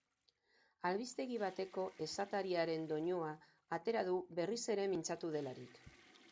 Albistegi bateko esatariaren doinua atera du berriz ere mintzatu delarik.